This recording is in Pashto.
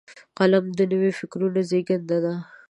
قلم د نوي فکرونو زیږنده دی